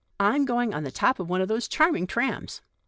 I'm going on the top of one of those charming trams.